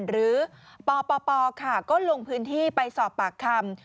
หรือปปก็ลงพื้นที่ไปสอบปากคำ